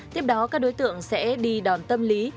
tiếp đó các đối tượng sẽ đi đòn tâm lý